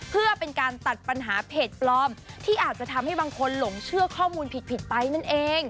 เพื่อเป็นการตัดปัญหาเพจปลอมที่อาจจะทำให้บางคนหลงเชื่อข้อมูลผิดไปนั่นเอง